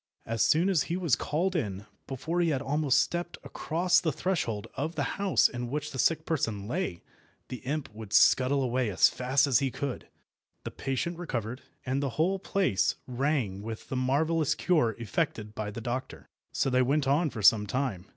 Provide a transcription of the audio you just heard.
As soon as he was called in, before he had almost stepped across the threshold of the house in which the sick person lay, the imp would scuttle away as fast as he could, the patient recovered, and the whole place rang with the marvellous cure effected by the doctor. So they went on for some time.